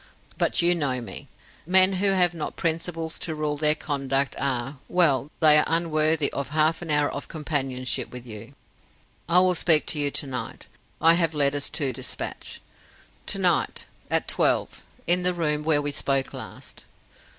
But you know me. Men who have not principles to rule their conduct are well, they are unworthy of a half hour of companionship with you. I will speak to you to night. I have letters to dispatch. To night: at twelve: in the room where we spoke last.